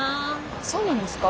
そうなんですか？